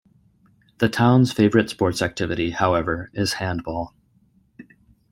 The town's favourite sports activity, however, is handball.